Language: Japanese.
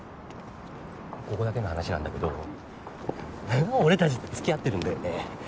ここだけの話なんだけど俺たちってつきあってるんだよね。